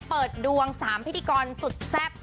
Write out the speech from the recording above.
เปิดดวง๓พิธีกรสุดแซ่บ